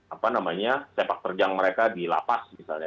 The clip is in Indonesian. apa namanya sepak terjang mereka dilapas misalnya